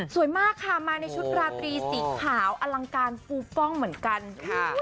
มากค่ะมาในชุดราตรีสีขาวอลังการฟูฟ่องเหมือนกันค่ะ